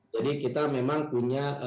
jadi kita memang punya penerimaan